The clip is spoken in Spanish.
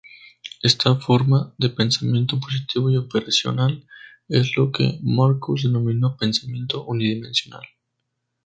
Esta forma de pensamiento, positivo y operacional, es lo que Marcuse denominó "pensamiento unidimensional".